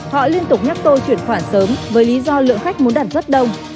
họ liên tục nhắc tôi chuyển khoản sớm với lý do lượng khách muốn đặt rất đông